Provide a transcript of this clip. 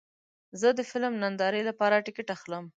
زه د فلم نندارې لپاره ټکټ اخلم.